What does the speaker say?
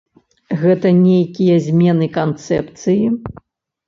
Гэта нейкія змены канцэпцыі?